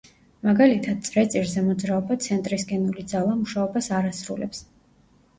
მაგალითად, წრეწირზე მოძრაობა ცენტრისკენული ძალა მუშაობას არ ასრულებს.